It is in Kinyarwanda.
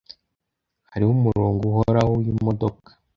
Hariho umurongo uhoraho wimodoka.